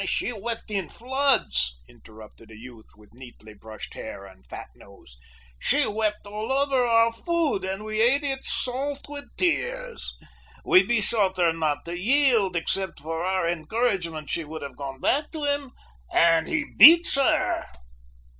"She wept in floods," interrupted a youth with neatly brushed hair and fat nose. "She wept all over our food, and we ate it salt with tears. We besought her not to yield; except for our encouragement she would have gone back to him; and he beats her."